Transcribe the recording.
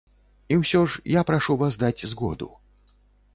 І ўсё ж я прашу вас даць згоду.